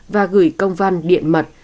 và gửi công văn điện mật